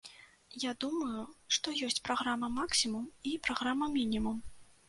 Я думаю, што ёсць праграма-максімум і праграма-мінімум.